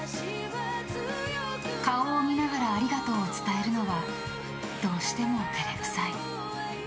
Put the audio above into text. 顔を見ながらありがとうを伝えるのはどうしても照れくさい。